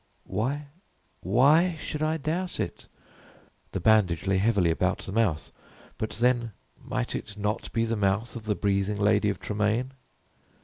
Why, why should I doubt it? The bandage lay heavily about the mouth but then might it not be the mouth of the breathing Lady of Tremaine?